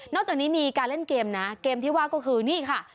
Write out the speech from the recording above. จากนี้มีการเล่นเกมนะเกมที่ว่าก็คือนี่ค่ะ